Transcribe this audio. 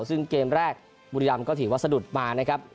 ซึ่งเกมแรกบุรีรำก็ถือว่าสะดุดมานะครับ